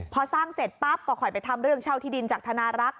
พอสร้างเสร็จปั๊บก็ค่อยไปทำเรื่องเช่าที่ดินจากธนารักษ